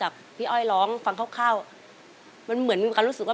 เคยร้องนานเหมือนกันค่ะ